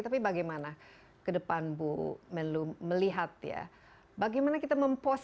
tapi bagaimana ke depan bu menlu melihat ya